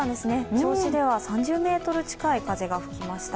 銚子では３０メートル近い風が吹きました。